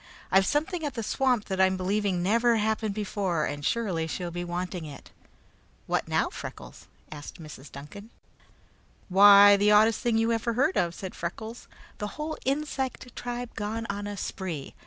I've something at the swamp that I'm believing never happened before, and surely she'll be wanting it." "What now, Freckles?" asked Mrs. Duncan. "Why, the oddest thing you ever heard of," said Freckles; "the whole insect tribe gone on a spree.